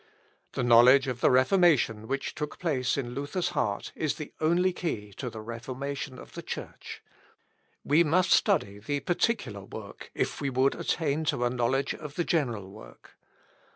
The knowledge of the Reformation which took place in Luther's heart is the only key to the Reformation of the Church. We must study the particular work, if we would attain to a knowledge of the general work.